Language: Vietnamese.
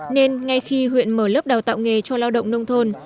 nên ngay khi huyện mở lớp đào tạo nghề cho lao động nông thôn